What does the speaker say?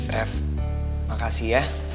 ref makasih ya